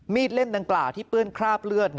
เล่มดังกล่าวที่เปื้อนคราบเลือด